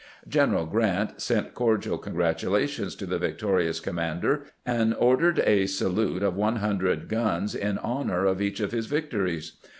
General Grant sent cordial congratulations to the vic torious commander, and ordered a salute of one hundred guns in honor of each of his victories.